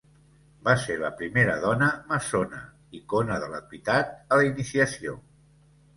Va ser la primera Dona Maçona, icona de l'equitat a la iniciació.